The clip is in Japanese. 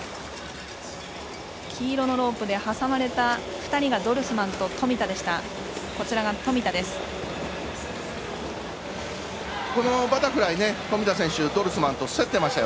黄色のロープで挟まれた２人がドルスマンと富田でした。